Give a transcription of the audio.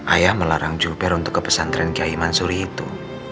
ayah melarang juber untuk ke pesantren kiai mansuri itu